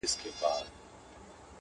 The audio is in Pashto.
خو ګډوډي زياته ده-